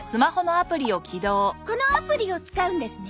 このアプリを使うんですね。